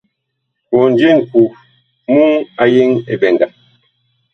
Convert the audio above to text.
Kondye ŋku muŋ a yeŋ eɓɛnga.